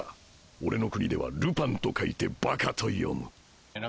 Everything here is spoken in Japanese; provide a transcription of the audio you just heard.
俺の国では「ルパン」と書いて「バカ」と読む。